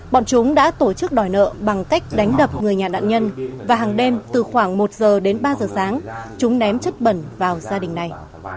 bọn chúng đã tổ chức đòi nợ bằng cách đánh đập người nhà nạn nhân và hàng đêm từ khoảng một giờ đến ba giờ sáng chúng ném chất bẩn vào gia đình này